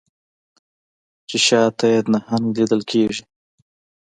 چې شا ته یې نهنګ لیدل کیږي